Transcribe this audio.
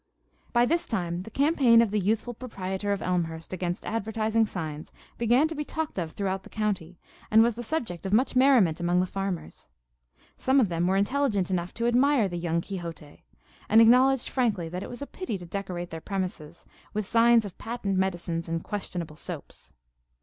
By this time the campaign of the youthful proprietor of Elmhurst against advertising signs began to be talked of throughout the county, and was the subject of much merriment among the farmers. Some of them were intelligent enough to admire the young Quixote, and acknowledged frankly that it was a pity to decorate their premises with signs of patent medicines and questionable soaps.